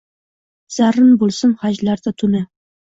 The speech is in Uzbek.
Zarrin bulsin xajlarda tuni